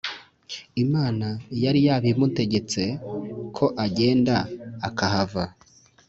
Imana yari yabimutegetse ko agenda akahava